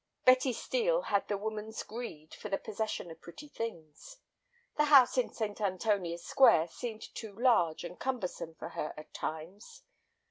Betty Steel had the woman's greed for the possession of pretty things. The house in St. Antonia's Square seemed too large and cumbersome for her at times.